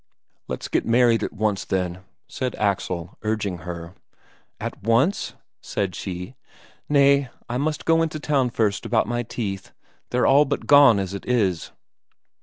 "Let's get married at once, then," said Axel, urging her. "At once?" said she. "Nay; I must go into town first about my teeth, they're all but gone as it is."